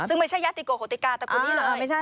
ซึ่งไม่ใช่ยาติโกโขติกาตะกูนี้เลย